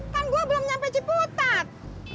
kan gue belum sampai ciputat